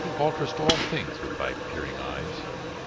Who alterest all things with thy peering eyes.